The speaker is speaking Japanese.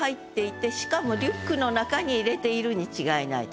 しかもしかもリュックの中に入れているに違いないと。